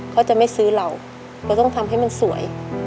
เขาจะไม่ซื้อเราเราต้องทำให้มันสวย